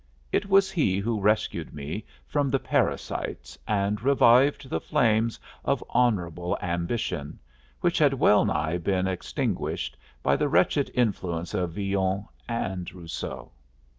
It was he who rescued me from the parasites and revived the flames of honorable ambition, which had well nigh been extinguished by the wretched influence of Villon and Rousseau.